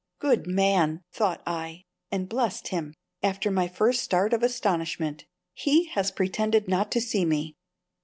"Good man!" thought I, and blessed him (after my first start of astonishment). "He has pretended not to see me."